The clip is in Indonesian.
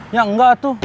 ya enggak tuh